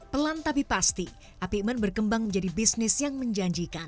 pelan tapi pasti apikmen berkembang menjadi bisnis yang menjanjikan